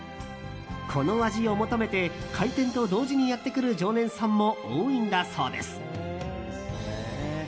この味を求めて開店と同時にやってくる常連さんも多いんだそうです。